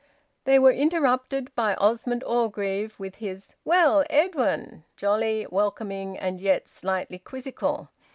They were interrupted by Osmond Orgreave, with his, "Well, Edwin," jolly, welcoming, and yet slightly quizzical.